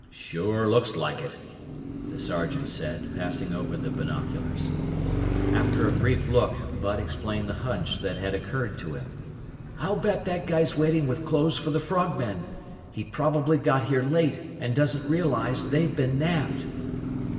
"Sure looks like it," the sergeant said, passing over the binoculars. After a brief look, Bud explained the hunch that had occurred to him. "I'll bet that guy's waiting with clothes for the frogmen. He probably got here late and doesn't realize they've been nabbed!"